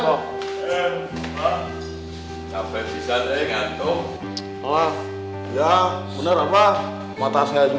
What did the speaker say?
pak sampai si sarding ngantuk